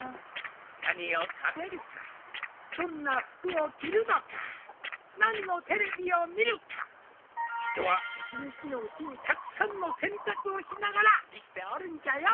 何を食べるかどんな服を着るのか何のテレビを見るか人は一日のうちにたくさんの選択をしながら生きておるんじゃよ。